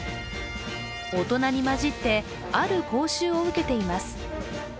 大人に交じって、ある講習を受けています。